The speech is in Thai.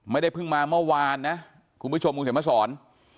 ไม่ได้เพิ่งมาเมื่อวานนะคุณผู้ชมอุทยศมสร